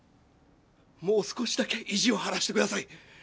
もう少しだけ意地を張らせてください。